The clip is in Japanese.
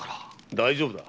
大丈夫だ。